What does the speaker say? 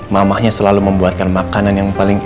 mamahnya selalu membuatkan makanan yang paling